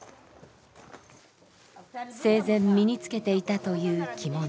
生前身につけていたという着物。